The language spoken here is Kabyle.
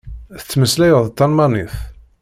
Tettmeslayeḍ talmanit.